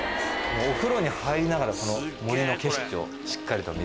お風呂に入りながら森の景色をしっかりと見れる。